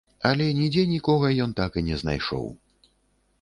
Але нідзе нікога ён так і не знайшоў.